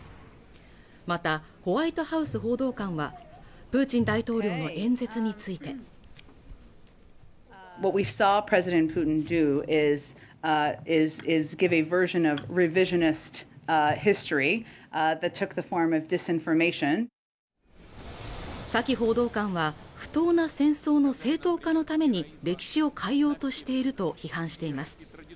またホワイトハウス報道官はプーチン大統領の演説についてサキ報道官は不当な戦争の正当化のために歴史を変えようとしていると批判しています